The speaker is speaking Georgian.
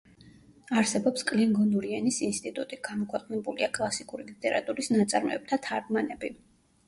არსებობს კლინგონური ენის ინსტიტუტი, გამოქვეყნებულია კლასიკური ლიტერატურის ნაწარმოებთა თარგმანები.